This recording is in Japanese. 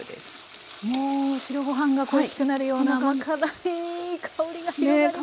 もう白ご飯が恋しくなるような甘辛いいい香りが広がりますね。